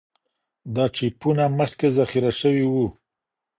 دا چېپونه مخکې ذخیره شوي وو.